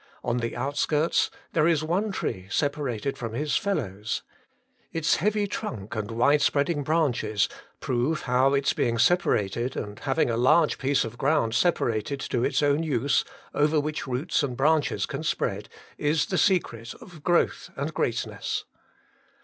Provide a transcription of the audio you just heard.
On the out skirts there is one tree separated from his fellows ; its heavy trunk and wide spreading branches prove how its being separated, and having a large piece 'of ground separated to its own use, over which roots and branches can spread, is the secret of growth and greatness.